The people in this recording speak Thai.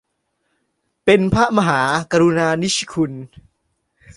เป็นพระมหากรุณานิชคุณ